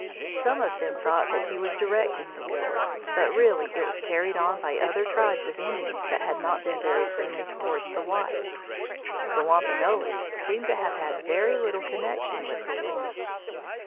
Some of them thought that he was directing the war, but really it was carried on by other tribes of Indians that had not been very friendly towards the whites. The Wampanoags seem to have had very little connection with the war.